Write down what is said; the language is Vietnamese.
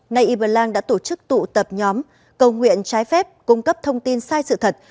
nay y blang đã tổ chức tụ tập nhóm cầu nguyện trái phép cung cấp thông tin sai sự thật